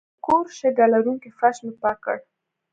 د کور شګه لرونکی فرش مې پاک کړ.